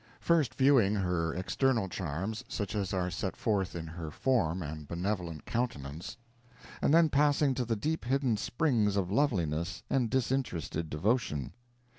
First viewing her external charms, such as set forth in her form and benevolent countenance, and then passing to the deep hidden springs of loveliness and disinterested devotion.